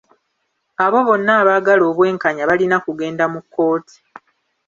Abo bonna abagala obw'enkanya balina kugenda mu kkooti.